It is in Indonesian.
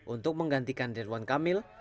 untuk menggantikan rewan kamil